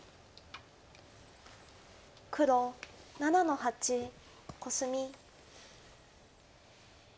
黒７の八コスミ。